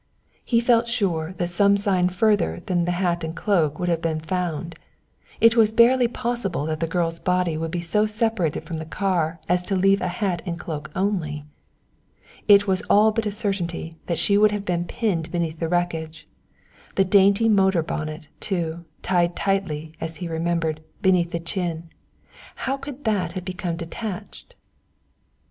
He felt sure that some sign further than the hat and cloak would have been found. It was barely possible that the girl's body would be so separated from the car as to leave a hat and cloak only. It was all but a certainty that she would have been pinned beneath the wreckage. The dainty motor bonnet, too, tied tightly, as he remembered, beneath the chin how could that have become detached?